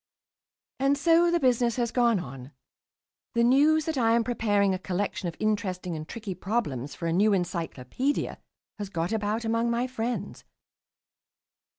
And so the business has gone on. The news that I am preparing a collection of interesting and tricky problems for a new "Encyclopaedia" has got about among my friends.